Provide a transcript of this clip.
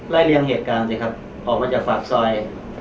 เลี่ยงเหตุการณ์สิครับออกมาจากปากซอย